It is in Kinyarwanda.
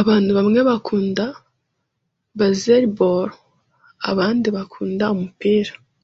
Abantu bamwe bakunda baseball, abandi bakunda umupira.